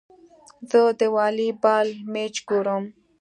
زه د والي بال مېچ ګورم.